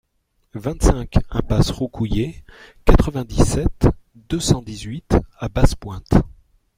vingt-cinq impasse Roucouyer, quatre-vingt-dix-sept, deux cent dix-huit à Basse-Pointe